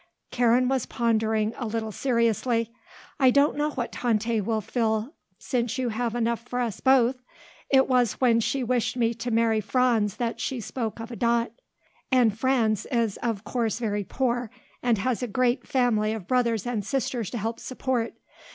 Karen was pondering a little seriously. "I don't know what Tante will feel since you have enough for us both. It was when she wished me to marry Franz that she spoke of a dot. And Franz is of course very poor and has a great family of brothers and sisters to help support.